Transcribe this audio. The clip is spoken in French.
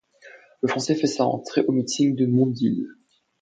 Le français fait sa rentrée au meeting de Mondeville.